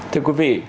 thưa quý vị